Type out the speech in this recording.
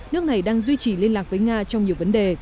nước này đang duy trì liên lạc với nga trong nhiều vấn đề